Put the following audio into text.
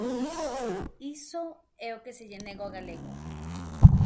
Iso é o que se lle nega ao galego.